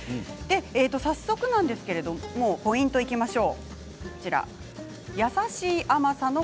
早速なんですけれどもポイントいきましょう。